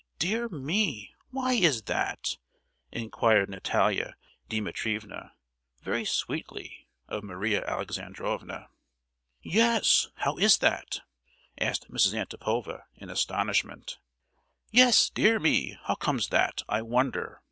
Dear me; why is that?" inquired Natalia Dimitrievna, very sweetly, of Maria Alexandrovna. "Yes. How is that?" asked Mrs. Antipova, in astonishment. "Yes; dear me! how comes that, I wonder!"